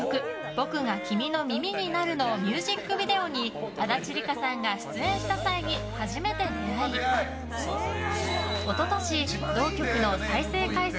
「僕が君の耳になる」のミュージックビデオに足立梨花さんが出演した際に初めて出会い一昨年、同曲の再生回数